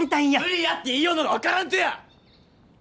無理やって言いようのが分からんとや！